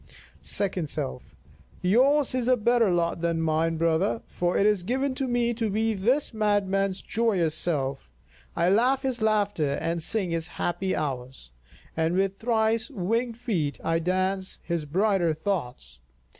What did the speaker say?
Second Self: Yours is a better lot than mine, brother, for it is given to me to be this madman's joyous self. I laugh his laughter and sing his happy hours, and with thrice winged feet I dance his brighter thoughts.